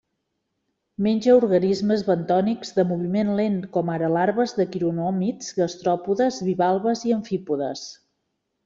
Menja organismes bentònics de moviment lent, com ara larves de quironòmids, gastròpodes, bivalves i amfípodes.